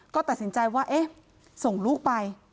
ก็ตัดสินใจว่าเอ๊ะส่งลูกไป